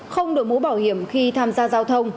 không đổi mũ bảo hiểm khi tham gia giao thông